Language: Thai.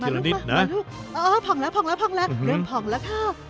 พองแล้วพองแล้วพองแล้วเริ่มพองแล้วครับ